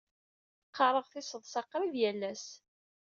Qqareɣ tiseḍsa qrib yal ass.